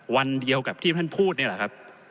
วันเดียวกับที่ท่านพูดนี่แหละครับ